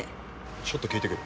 ちょっと聞いてくる。